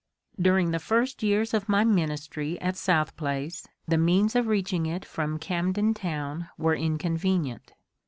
During the first years of my ministry at South Place the means of reaching it from Camden Town were inconvenient.